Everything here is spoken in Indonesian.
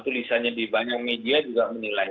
tulisannya di banyak media juga menilai